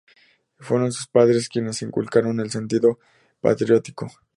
Fueron sus padres quienes inculcaron el sentido patriótico.